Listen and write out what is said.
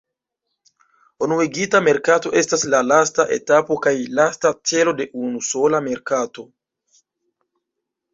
Unuigita merkato estas la lasta etapo kaj lasta celo de unusola merkato.